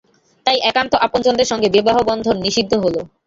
তাই একান্ত আপনজনদের সঙ্গে বিবাহবন্ধন নিষিদ্ধ হলো।